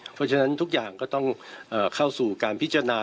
เพราะฉะนั้นทุกอย่างก็ต้องเข้าสู่การพิจารณา